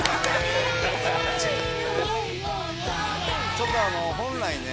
ちょっと本来ね